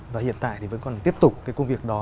và hiện tại thì vẫn còn tiếp tục cái công việc đó